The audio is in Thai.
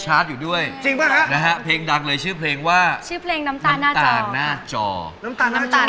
อ่าเลือกมาแล้วเลือกอ้อมนะครับ